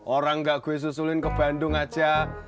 orang gak gue susulin ke bandung aja